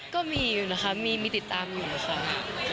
ก็มีนะค่ะมีมีติดตามนะค่ะ